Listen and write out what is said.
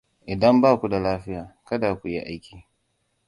Idan ba ku da lafiya, kada ku yi aiki